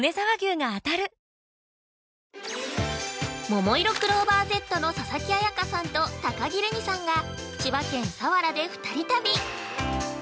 ◆ももいろクローバーＺの佐々木彩夏さんと高城れにさんが千葉県佐原で２人旅。